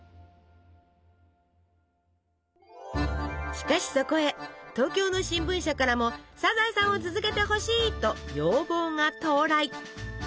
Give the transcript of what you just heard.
しかしそこへ東京の新聞社からも「サザエさん」を続けてほしいと要望が到来！